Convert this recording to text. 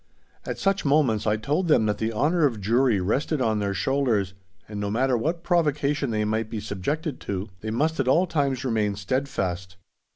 At such moments I told them that the honour of Jewry rested on their shoulders, and no matter what provocation they might be subjected to, they must at all times remain steadfast.